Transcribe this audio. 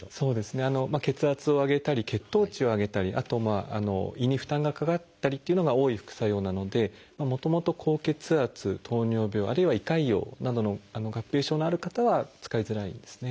血圧を上げたり血糖値を上げたりあと胃に負担がかかったりっていうのが多い副作用なのでもともと高血圧糖尿病あるいは胃潰瘍などの合併症のある方は使いづらいですね。